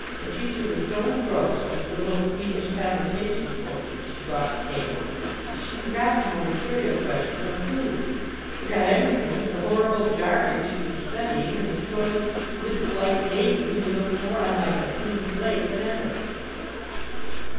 Letitia was so engrossed with a little Swedish conversation book that she brought to table that she forgot the mere material question of food forgot everything but the horrible jargon she was studying, and the soiled, wisp like maiden, who looked more unlike a clean slate than ever.